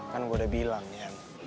kan gue udah bilang ya